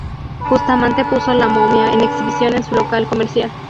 Bustamante puso la momia en exhibición en su local comercial.